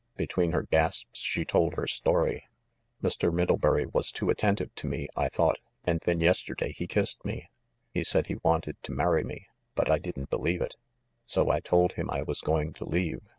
Be tween her gasps she told her story: "Mr. Middlebury was too attentive to me, I thought, and then yesterday he kissed me. He said he wanted to marry me ; but I didn't believe it. So I told him I was going to leave.